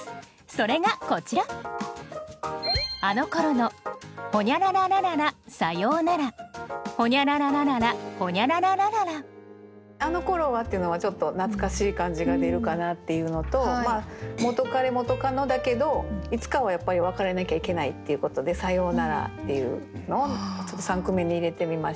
それがこちら「あのころは」っていうのはちょっと懐かしい感じが出るかなっていうのと元カレ・元カノだけどいつかはやっぱり別れなきゃいけないっていうことで「さようなら」っていうのをちょっと三句目に入れてみました。